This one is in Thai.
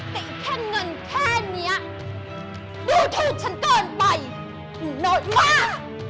แต่แค่เงินแค่เนี้ยดูถูกฉันเกินไปน้อยมาก